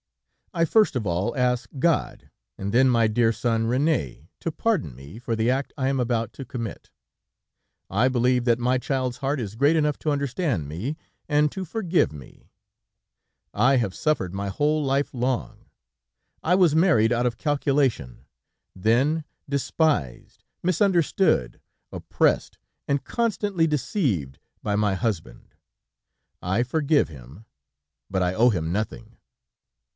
"'I first of all ask God, and then my dear son René, to pardon me for the act I am about to commit. I believe that my child's heart is great enough to understand me, and to forgive me. I have suffered my whole life long. I was married out of calculation, then despised, misunderstood, oppressed and constantly deceived by my husband. "'I forgive him, but I owe him nothing.